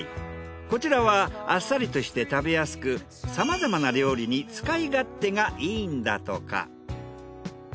こちらはあっさりとして食べやすくさまざまな料理に使い勝手がいいんだとか。